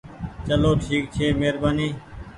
چلو ٺيڪ ڇي مهربآني ۔